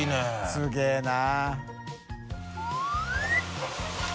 すげぇな。